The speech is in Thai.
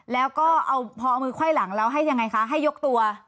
แล้วก็พอเอามือไขว้หลังแล้วให้ยังไงคะให้ยกตัว